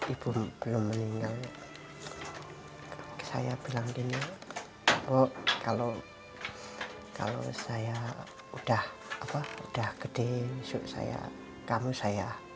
ibu belum meninggal saya bilang gini oh kalau saya udah gede saya kamu saya